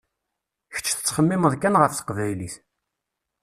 Kečč tettxemmimeḍ kan ɣef teqbaylit.